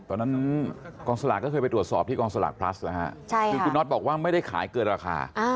ตอนนั้นกองสลากก็เคยไปตรวจสอบที่กองสลากพลัสนะฮะคือคุณน็อตบอกว่าไม่ได้ขายเกินราคา